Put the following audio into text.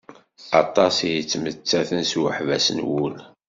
Aṭas i yettmettaten s uḥbas n wul.